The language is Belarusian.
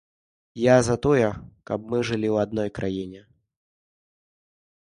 Я за тое, каб мы жылі ў адной краіне.